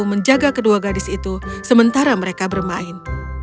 menjaga kedua gadis itu sementara mereka bermain